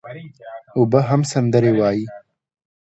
اوبه هم سندري وايي.